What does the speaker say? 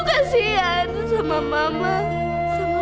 ketika mau ngapain